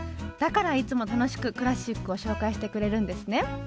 だからいつも楽しくクラシックを紹介してくれるんですね。